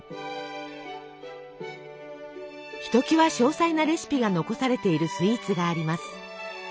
ひときわ詳細なレシピが残されているスイーツがあります。